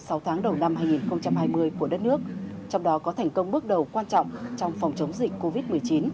sau tháng đầu năm hai nghìn hai mươi của đất nước trong đó có thành công bước đầu quan trọng trong phòng chống dịch covid một mươi chín